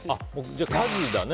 じゃあ、家事だね。